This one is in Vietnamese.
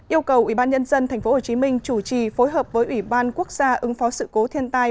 yêu cầu ủy ban nhân dân tp hcm chủ trì phối hợp với ủy ban quốc gia ứng phó sự cố thiên tai